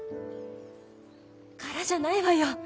柄じゃないわよ。